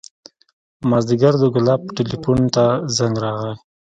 مازديګر د ګلاب ټېلفون ته زنګ راغى.